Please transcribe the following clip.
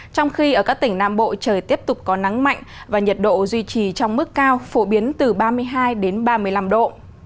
trong khi ở các tỉnh nam bộ trời tiếp tục có nắng mạnh và nhiệt độ duy trì trong mức cao phổ biến từ ba mươi hai đến ba mươi năm độ